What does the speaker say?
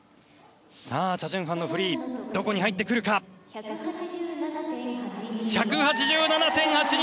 チャ・ジュンファンのフリーどこに入ってくるか。１８７．８２！